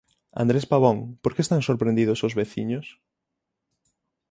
Andrés Pavón, por que están sorprendidos os veciños?